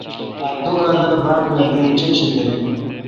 دو کال دا باڑ پیل بہ انچیک شی دریل۔